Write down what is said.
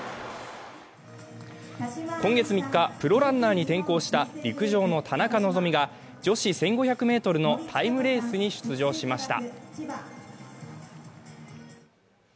今月３日、プロランナーに転向した陸上の田中希実が女子１５００ｍのタイムレースに出場しました。